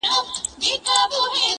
چاچي د جهاني صاحب ورکه مېنه لوستې وي -